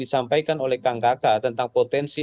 disampaikan oleh kang kakak tentang potensi